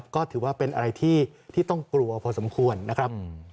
ก็ถือว่าเป็นอะไรที่ต้องกลัวพอสมควรนะครับ